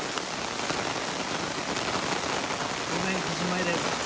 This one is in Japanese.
午前９時前です。